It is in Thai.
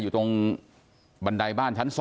อยู่ตรงบันไดบ้านชั้น๒